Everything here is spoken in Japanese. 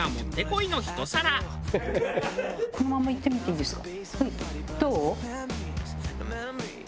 このまんまいってみていいですか。